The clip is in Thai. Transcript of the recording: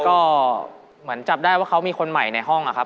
ก็เหมือนจับได้ว่าเขามีคนใหม่ในห้องอะครับ